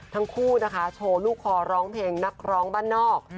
ทั้งคู่นะคะโชว์ลูกคอร้องเพลงนักร้องบ้านนอก